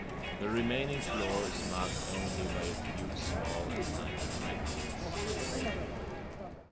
The remaining floor is marked only by a few small and tiny craterlets.